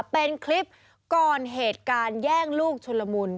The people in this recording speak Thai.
เป็นคลิปก่อนเหตุการณ์แย่งลูกชุลมุน